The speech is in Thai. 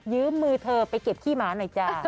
ื้อมือเธอไปเก็บขี้หมาหน่อยจ้า